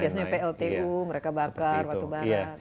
biasanya pltu mereka bakar batu barat